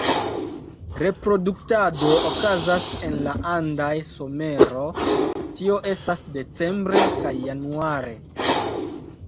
Reproduktado okazas en la andaj somero, tio estas decembre kaj januare.